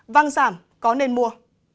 vàng giảm có nên mua